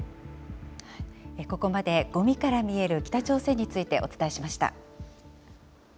ここまでごみから見える北朝鮮についてお伝えしました。